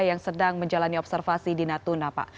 yang sedang menjalani observasi di natuna pak